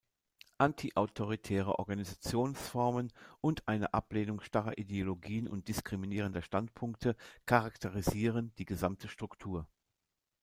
Antiautoritäre Organisationsformen und eine Ablehnung starrer Ideologien und diskriminierender Standpunkte charakterisieren die gesamte Struktur.